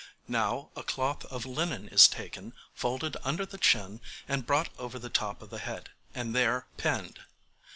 Now a cloth of linen is taken, folded under the chin, and brought over the top of the head, and there pinned.